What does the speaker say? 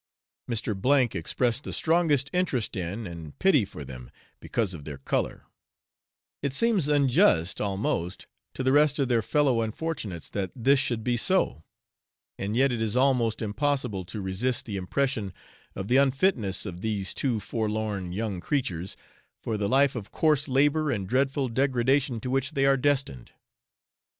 Mr. B expressed the strongest interest in and pity for them, because of their colour: it seems unjust almost to the rest of their fellow unfortunates that this should be so, and yet it is almost impossible to resist the impression of the unfitness of these two forlorn young creatures, for the life of coarse labour and dreadful degradation to which they are destined.